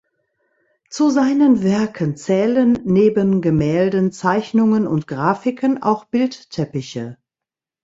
Zu seinen Werken zählen, neben Gemälden, Zeichnungen und Grafiken auch Bildteppiche.